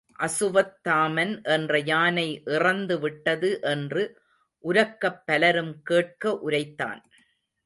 அசுவத்தாமன் என்ற யானை இறந்து விட்டது என்று உரக்கப் பலரும் கேட்க உரைத்தான்.